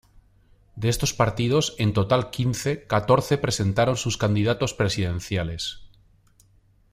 De estos partidos, en total quince, catorce presentaron sus candidatos presidenciales.